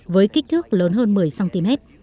với kích thước lớn hơn một mươi cm